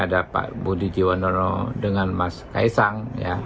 ada pak budi kiwono dengan mas kaisang